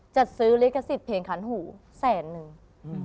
จะซื้อฤกษิธร์เพลงคันหูแสนนึง